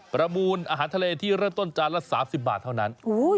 ประมูลอาหารทะเลที่เริ่มต้นจานละ๓๐บาทเท่านั้น